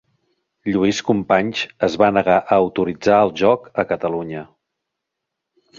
Lluís Companys es va negar a autoritzar el joc a Catalunya.